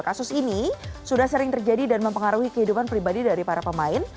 kasus ini sudah sering terjadi dan mempengaruhi kehidupan pribadi dari para pemain